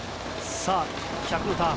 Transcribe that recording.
さあ、１００のターン。